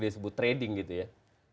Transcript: disebut trading gitu ya